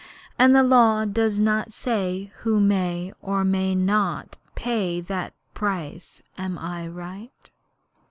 And the Law does not say who may or may not pay that price. Am I right?'